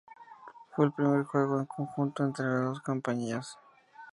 Fue el primer juego en conjunto entre las dos compañías.